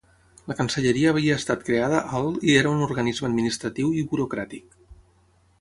La Cancelleria havia estat creada al i era un organisme administratiu i burocràtic.